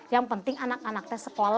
yang penting anak anaknya sekolah